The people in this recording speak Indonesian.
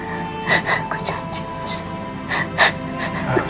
udah jangan nangis lagi